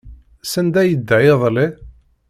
Sanda ay yedda iḍelli?